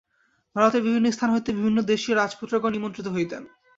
ভারতের বিভিন্ন স্থান হইতে বিভিন্নদেশীয় রাজপুত্রগণ নিমন্ত্রিত হইতেন।